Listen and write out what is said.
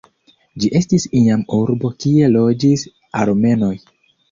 Ĝi estis iam urbo kie loĝis armenoj.